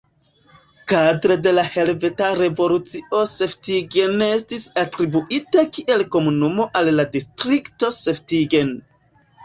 Kadre de la Helveta Revolucio Seftigen estis atribuita kiel komunumo al la distrikto Seftigen.